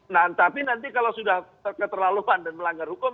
nah tapi nanti kalau sudah terlalu panjang melanggar hukum